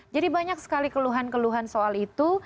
jadi banyak sekali keluhan keluhan soal itu